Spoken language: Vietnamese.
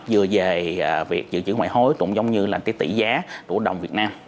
dự trữ ngoại hối cũng giống như tỷ giá của đồng việt nam